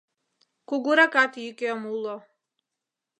Кугуракат йӱкем уло.